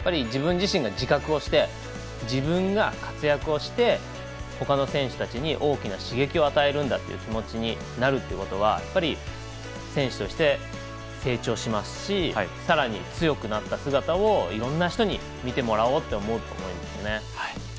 自分自身が自覚をして自分が活躍してほかの選手たちに大きな刺激を与えるんだという気持ちになるということは選手として成長しますしさらに強くなった姿をいろんな人に見てもらおうと思うと思います。